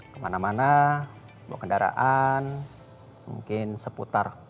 kemana mana bawa kendaraan mungkin seputar